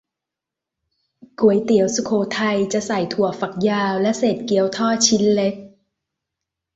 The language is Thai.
ก๋วยเตี๋ยวสุโขทัย จะใส่ถั่วฝักยาว และเศษเกี๊ยวทอดชิ้นเล็ก